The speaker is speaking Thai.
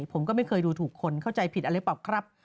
ผมก็ไม่เคยดูถูกคนเข้าใจผิดอะไรเปล่าครับ